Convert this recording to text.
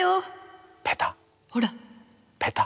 ペタ。